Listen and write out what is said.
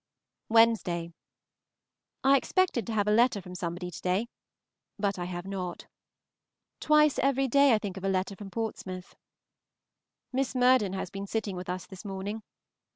Wednesday. I expected to have a letter from somebody to day, but I have not. Twice every day I think of a letter from Portsmouth. Miss Murden has been sitting with us this morning.